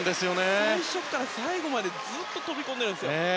最初から最後までずっと飛び込んでいるんですよ。